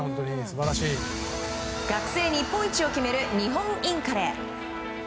学生日本一を決める日本インカレ。